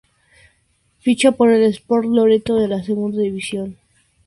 Ficha por el Sport Loreto de la Segunda División.